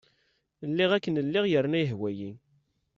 Lliɣ akken lliɣ yerna yehwa-iyi.